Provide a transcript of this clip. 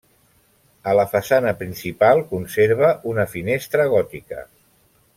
A la façana principal conserva una finestra gòtica.